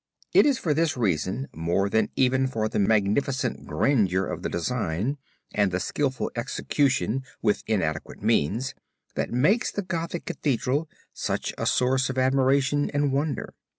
It is for this reason more than even for the magnificent grandeur of the design and the skilful execution with inadequate means, that makes the Gothic Cathedral such a source of admiration and wonder.